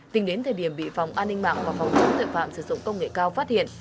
tính đến thời điểm bị phòng an ninh mạng và phòng chống tội phạm sử dụng công nghệ cao phát hiện